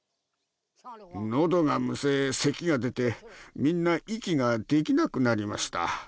喉がむせせきが出てみんな息ができなくなりました